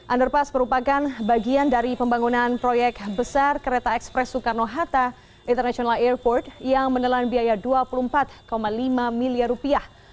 underpass merupakan bagian dari pembangunan proyek besar kereta ekspres soekarno hatta international airport yang menelan biaya dua puluh empat lima miliar rupiah